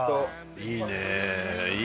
いいね！